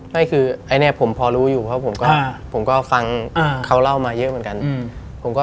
ไม่คืออันนี้ผมพอรู้อยู่เพราะผมก็ฟังเขาเล่ามาเยอะเหมือนกัน